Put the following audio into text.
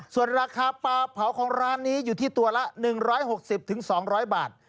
ส่วนราคาปลาเผาของร้านนี้อยู่ที่ตัวละ๑๖๐๒๐๐บาท